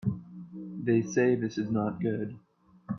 They say this is not good.